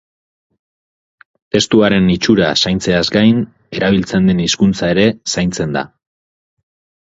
Testuaren itxura zaintzeaz gain, erabiltzen den hizkuntza ere zaintzen da.